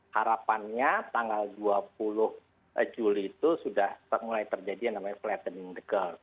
harapannya tanggal dua puluh juli itu sudah mulai terjadi yang namanya flattening the curve